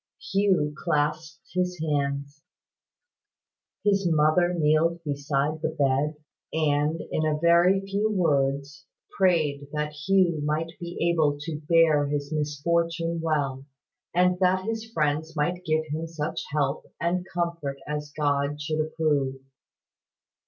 Hugh clasped his hands. His mother kneeled beside the bed, and, in a very few words, prayed that Hugh might be able to bear his misfortune well, and that his friends might give him such help and comfort as God should approve.